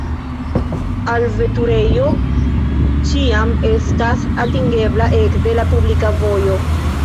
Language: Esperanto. Alveturejo ĉiam estas atingebla ekde la publika vojo.